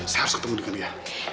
saya harus ketemu dengan dia